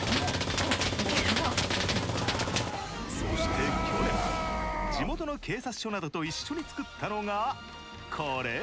そして去年地元の警察署などと一緒に作ったのがこれ！